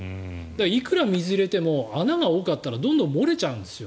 いくら水を入れても穴が多かったらどんどん漏れちゃうんですよね。